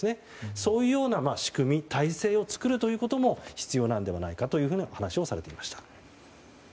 そういうような仕組み体制を作ることも必要なんじゃないかとお話しされていました。